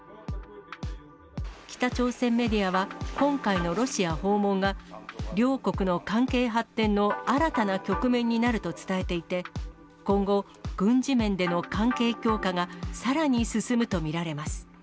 北朝鮮メディアは、今回のロシア訪問が、両国の関係発展の新たな局面になると伝えていて、今後、軍事面での関係強化がさらに進むと見られます。